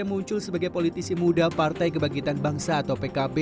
muncul sebagai politisi muda partai kebangkitan bangsa atau pkb